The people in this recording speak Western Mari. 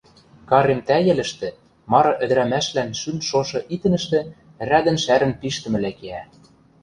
Карем тӓйӹлӹштӹ мары ӹдӹрӓмӓшвлӓн шӱн шошы итӹнӹштӹ рӓдӹн шӓрен пиштӹмӹлӓ киӓ.